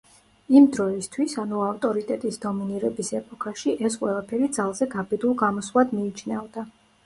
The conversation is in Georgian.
იმ დროისთვის, ანუ ავტორიტეტის დომინირების ეპოქაში, ეს ყველაფერი ძალზე გაბედულ გამოსვლად მიიჩნეოდა.